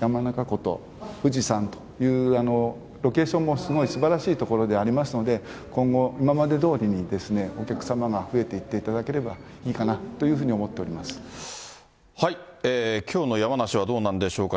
山中湖と富士山という、ロケーションもすごいすばらしい所でありますので、今後、今までどおりにお客様が増えていっていただければいいかなというきょうの山梨はどうなんでしょうか。